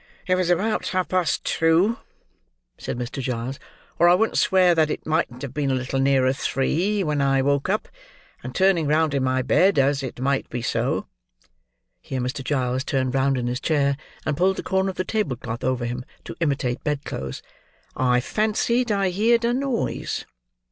"It was about half past two," said Mr. Giles, "or I wouldn't swear that it mightn't have been a little nearer three, when I woke up, and, turning round in my bed, as it might be so, (here Mr. Giles turned round in his chair, and pulled the corner of the table cloth over him to imitate bed clothes,) I fancied I heerd a noise."